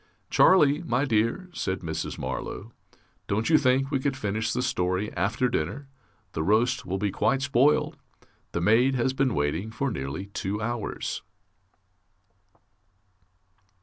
"Charlie, my dear," said Mrs. Marlow, "Don't you think we could finish the story after dinner? The roast will be quite spoiled. The maid has been waiting for nearly two hours...."